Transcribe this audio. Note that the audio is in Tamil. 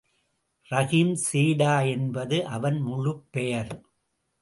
ரஹீம்சேடா என்பது அவன் முழுப் பெயர்.